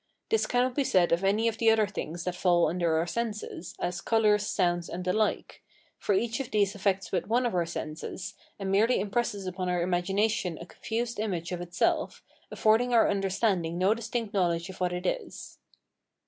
This cannot be said of any of the other things that fall under our senses, as colours, sounds, and the like; for each of these affects but one of our senses, and merely impresses upon our imagination a confused image of itself, affording our understanding no distinct knowledge of what it is.